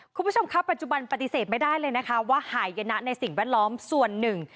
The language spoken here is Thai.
คุณผู้ชมครับปัจจุบันปฏิเสธไม่ได้เลยนะคะว่าหายนะในสิ่งแวดล้อมส่วนหนึ่ง